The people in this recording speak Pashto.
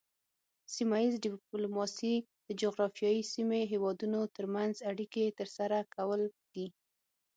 سیمه ایز ډیپلوماسي د جغرافیایي سیمې هیوادونو ترمنځ اړیکې ترسره کول دي